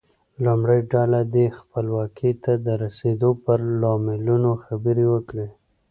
لومړۍ ډله دې خپلواکۍ ته د رسیدو پر لاملونو خبرې وکړي.